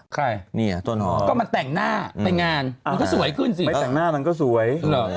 ใครเนี่ยต้นหอมันแต่งหน้าไปงานมันก็สวยขึ้นสินะมันก็สวย